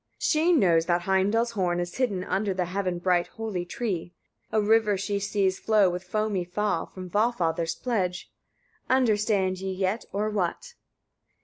31. She knows that Heimdall's horn is hidden under the heaven bright holy tree. A river she sees flow, with foamy fall, from Valfather's pledge. Understand ye yet, or what?